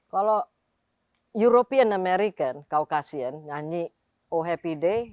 kalau european american caucasian nyanyi oh happy day